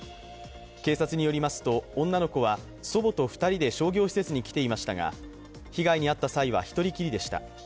警察によりますと、女の子は祖母と２人で商業施設に来ていました被害に遭った際は一人きりでした。